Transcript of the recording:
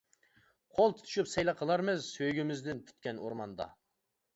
قول تۇتۇشۇپ سەيلە قىلارمىز، سۆيگۈمىزدىن پۈتكەن ئورماندا.